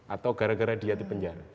atau gara gara dia di penjara